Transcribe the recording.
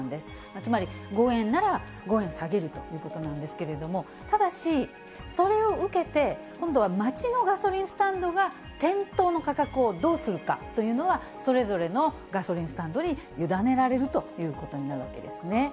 つまり５円なら５円下げるということなんですけれども、ただし、それを受けて、今度は街のガソリンスタンドが店頭の価格をどうするかというのは、それぞれのガソリンスタンドに委ねられるということになるわけですね。